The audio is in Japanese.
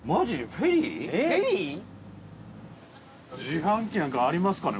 富澤：自販機なんかありますかね？